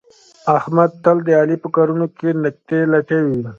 احمد تل د علي په کارونو کې نکتې لټوي.